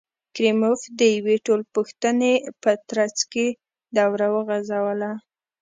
کریموف د یوې ټولپوښتنې په ترڅ کې دوره وغځوله.